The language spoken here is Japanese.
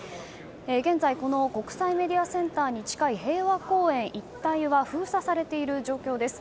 現在国際メディアセンターに近い平和公園一帯は封鎖されている状況です。